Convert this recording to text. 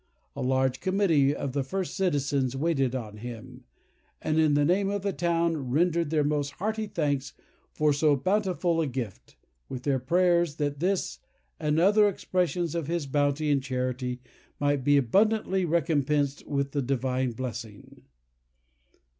A large committee of the first citizens waited on him, "and, in the name of the town, rendered their most hearty thanks for so bountiful a gift, with their prayers that this and other expressions of his bounty and charity might be abundantly recompensed with the divine blessing."